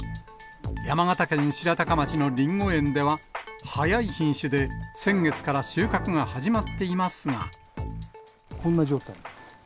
山形県白鷹町のりんご園では、早い品種で先月から収穫が始まっこんな状態。